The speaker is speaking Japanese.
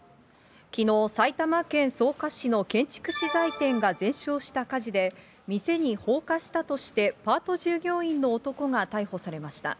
きのう、埼玉県草加市の建築資材店が全焼した火事で、店に放火したとしてパート従業員の男が逮捕されました。